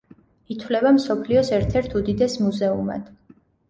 ითვლება მსოფლიოს ერთ-ერთ უდიდეს მუზეუმად.